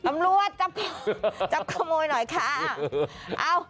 ตำรวจจับขโมยหน่อยค่ะ